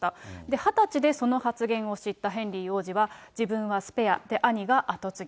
２０歳でその発言を知ったヘンリー王子は、自分はスペア、で、兄が跡継ぎ。